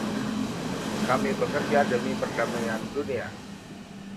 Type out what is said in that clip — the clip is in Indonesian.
Kami bekerja demi perdamaian dunia.